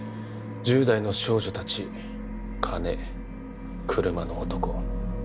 １０代の少女たち金車の男